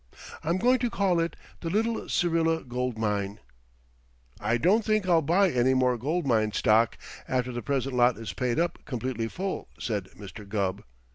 I'm going to call it the Little Syrilla Gold Mine " "I don't think I'll buy any more gold mine stock after the present lot is paid up completely full," said Mr. Gubb.